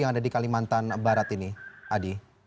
yang ada di kalimantan barat ini adi